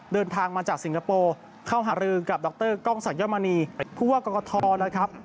เดินทางมาจากสิงคโปร์เข้าหารือกับดรกล้องศักดมณีผู้ว่ากรกฐนะครับ